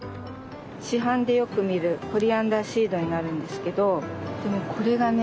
市販でよく見るコリアンダーシードになるんですけどでもこれがね